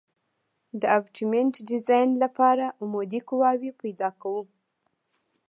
د ابټمنټ ډیزاین لپاره عمودي قواوې پیدا کوو